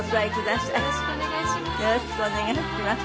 よろしくお願いします。